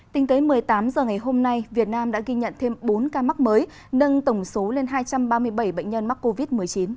tính tới một mươi tám h ngày hôm nay việt nam đã ghi nhận thêm bốn ca mắc mới nâng tổng số lên hai trăm ba mươi bảy bệnh nhân mắc covid một mươi chín